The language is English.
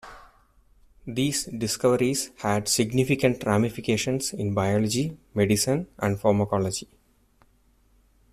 These discoveries had significant ramifications in biology, medicine, and pharmacology.